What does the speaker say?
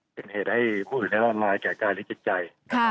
เป็นเหตุให้ผู้อื่นให้ร่านรายแก่กายลิขิตใจ